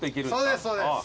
そうですそうです。